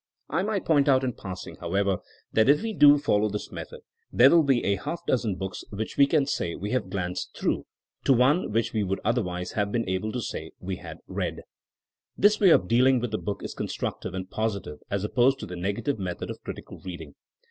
I might point out in passing, however, that if we do follow this method there will be a half dozen THINKINO AS A SCIENCE 177 books which we can say we have glanced through" to one which we would otherwise have been able to say we had read. '' This way of dealing with a book is construc tive and positive as opposed to the negative method of critical reading.